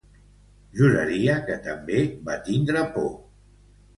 Juraria que també va tindre por.